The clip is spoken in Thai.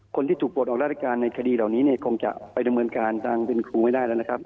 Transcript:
คนที่ถูกปลดออกราชการในคดีเหล่านี้เนี่ยคงจะไปดำเนินการทางเป็นครูไม่ได้แล้วนะครับ